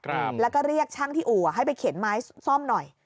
ครับแล้วก็เรียกช่างที่อู่อ่ะให้ไปเข็นไม้ซ่อมหน่อย